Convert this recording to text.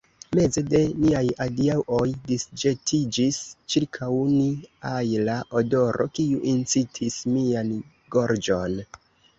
Meze de niaj adiaŭoj, disĵetiĝis ĉirkaŭ ni ajla odoro, kiu incitis mian gorĝon.